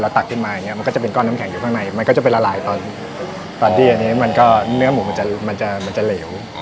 ตักขึ้นมาอย่างนี้มันก็จะเป็นก้อนน้ำแข็งอยู่ข้างในมันก็จะไปละลายตอนที่อันนี้มันก็เนื้อหมูมันจะมันจะเหลว